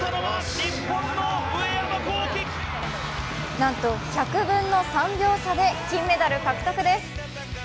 なんと１００分の３秒差で金メダル獲得です。